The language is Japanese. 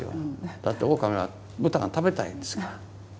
だってオオカミは豚が食べたいんですから。